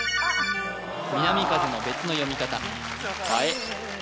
南風の別の読み方はえ